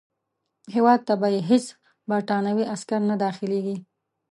هیواد ته به یې هیڅ برټانوي عسکر نه داخلیږي.